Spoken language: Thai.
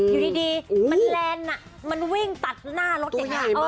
อยู่ดีมันแลนน่ะมันวิ่งตัดหน้ารถอย่างงี้ตัวใหญ่มาก